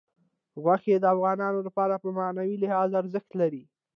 غوښې د افغانانو لپاره په معنوي لحاظ ارزښت لري.